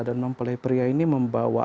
dan mempelai pria ini membawa